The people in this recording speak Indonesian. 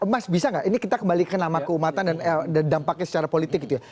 mas bisa nggak ini kita kembali ke nama keumatan dan dampaknya secara politik gitu ya